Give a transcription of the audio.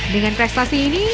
dengan prestasi ini